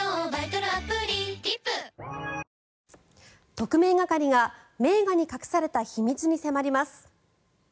特命係が名画に隠された秘密に迫ります。